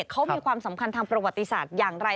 เขามีความสำคัญทางประวัติศาสตร์อย่างไร